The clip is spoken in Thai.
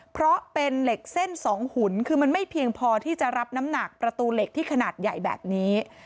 เพราะเป็นเหล็กเส้นสองหุ่นคือมันไม่เพียงพอที่จะรับน้ำหนักประตูเหล็กที่ขนาดใหญ่แบบนี้